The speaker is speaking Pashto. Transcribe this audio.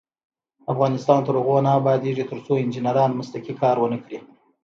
افغانستان تر هغو نه ابادیږي، ترڅو انجنیران مسلکي کار ونکړي.